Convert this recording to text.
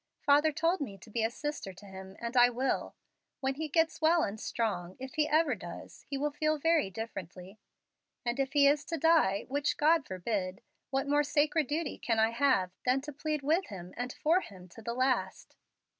Father told me to be a sister to him, and I will. When he gets well and strong, if he ever does, he will feel very differently; and if he is to die (which God forbid), what more sacred duty can I have than to plead with him and for him to the last?"